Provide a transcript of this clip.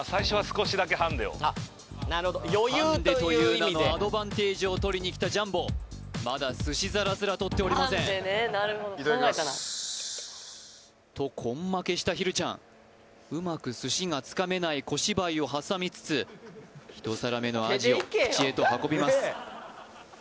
ハンデという名のアドバンテージを取りにきたジャンボまだ寿司皿すら取っておりませんと根負けしたひるちゃんうまく寿司がつかめない小芝居を挟みつつ１皿目のアジを口へと運びます